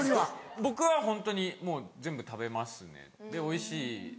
僕はホントにもう全部食べますねおいしいですし。